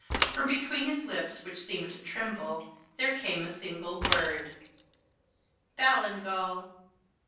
From between his lips, which seemed to tremble, there came a single word "Ballingall!"